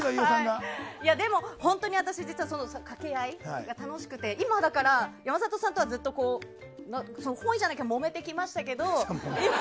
でも、本当に私はその掛け合いが楽しくて今だから、山里さんとはずっと本意じゃなくてもめてきましたけど。